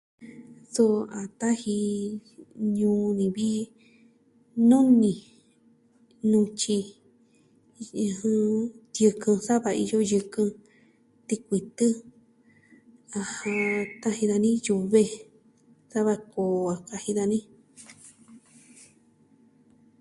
Suu a taji ñuu ni vi nuni, nutyi, ɨjɨn, tiɨkɨn sa va iyo yɨkɨn, tikuitɨ, ɨjɨn, taji dani yuve sa va koo a kaji dani.